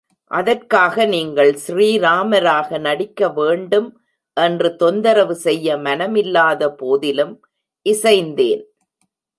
அதற்காக நீங்கள் ஸ்ரீராமராக நடிக்கவேண்டும் என்று தொந்தரவு செய்ய, மனமில்லாத போதிலும் இசைந்தேன்.